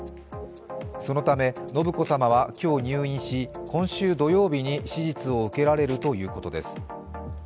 そのため、信子さまは今日入院し、今週土曜日に手術を受けられるということです。